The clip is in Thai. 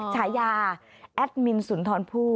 ฉายาแอดมินสุนทรผู้